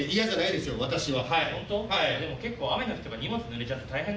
でも結構雨の日とか荷物ぬれちゃって大変だけどね。